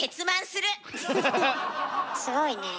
すごいね。